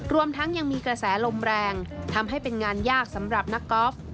รวมทั้งยังมีกระแสลมแรงทำให้เป็นงานยากสำหรับนักกอล์ฟ